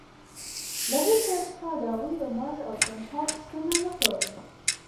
له هيچا څخه د هغوى د معاش او تنخوا پوښتنه مه کوئ!